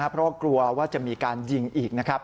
เพราะกลัวว่าจะมีการยิงอีก